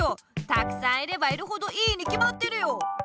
たくさんいればいるほどいいにきまってるよ！